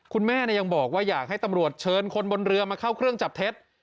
คุณแม่ยังบอกว่าอยากให้ตำรวจเชิญคนบนเรือมาเข้าเครื่องจับเท็จ